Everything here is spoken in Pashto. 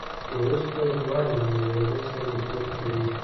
وروسته دواړه مواد یو له بل سره مخلوط کړئ.